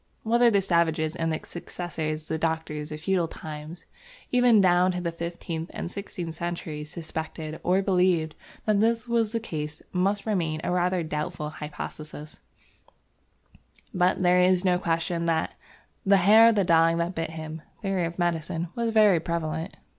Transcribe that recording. Whether the savages and their successors the doctors of feudal times even down to the fifteenth and sixteenth centuries, suspected or believed that this was the case must remain a rather doubtful hypothesis, but there is no question "that the hair of the dog that bit him" theory of medicine was very prevalent.